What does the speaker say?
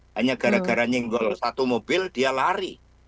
hanya gara gara nyenggol satu mobil dia lari